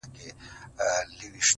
نور د ټولو كيسې ټوكي مسخرې وې؛